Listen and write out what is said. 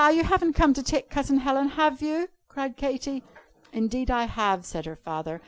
you haven't come to take Cousin Helen, have you?" cried Katy. "Indeed I have," said her father.